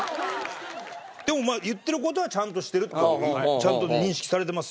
でもまあ言ってる事はちゃんとしてるというちゃんと認識されてます。